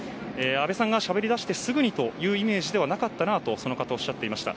安倍さんがしゃべりだしてすぐというイメージではなかったなとその方はおっしゃっていました。